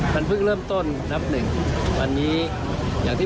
มันเพิ่งเริ่มต้นท่านพี่วันนี้เหอะแท่หวังท่านผู้ทำกำพี่